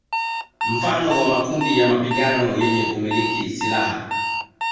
Mfano wa makundi ya mapigano yenye kumiliki silaha